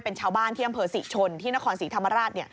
เป็นชาวบ้านที่อำเภอศรีชนที่นครศรีธรรมราช